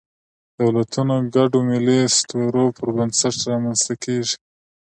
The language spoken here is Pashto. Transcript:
دولتونه د ګډو ملي اسطورو پر بنسټ رامنځ ته کېږي.